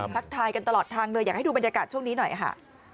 ทักทายกันตลอดทางเลยอยากให้ดูบรรยากาศช่วงนี้หน่อยค่ะ